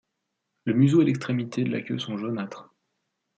Le museau et l'extrémité de la queue sont jaunâtres.